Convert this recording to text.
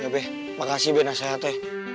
ya be makasih be nasihatnya